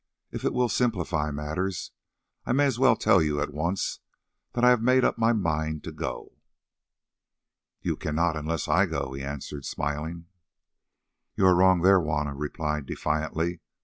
"If it will simplify matters I may as well tell you at once that I have made up my mind to go." "You cannot unless I go too," he answered smiling. "You are wrong there," Juanna replied defiantly.